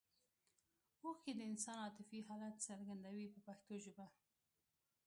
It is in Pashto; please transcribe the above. اوښکې د انسان عاطفي حالت څرګندوي په پښتو ژبه.